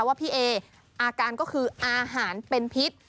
ว่าพี่เออาการก็คืออาหารเป็นพิษ